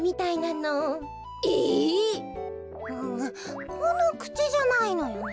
うんこのくちじゃないのよね。